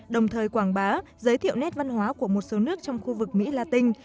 đồng thời quảng bá giới thiệu nét văn hóa của một số nước trong khu vực mỹ la tinh